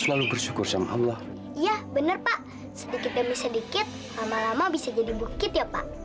selalu bersyukur sama allah iya benar pak sedikit demi sedikit lama lama bisa jadi bukit ya pak